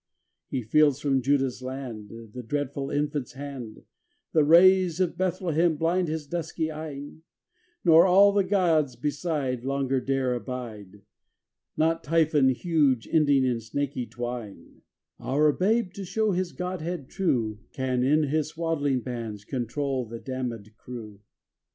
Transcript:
XXV He feels from Juda's land The dreaded Infant's hand; The rays of Bethlehem blind his dusky eyn; Nor all the gods beside Longer dare abide, Not Typhon huge ending in snaky twine: Our Babe, to show his Godhead true, Can in his swaddling bands control the damned crew.